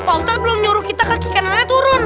pak ustadz belum nyuruh kita kaki kanannya turun